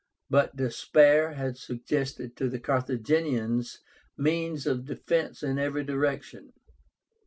But despair had suggested to the Carthaginians means of defence in every direction.